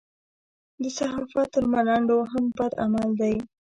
د صحافت تر ملنډو هم بد عمل دی.